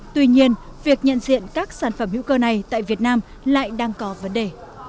tuy nhiên việc nhận diện các sản phẩm hữu cơ này tại việt nam lại đang có vấn đề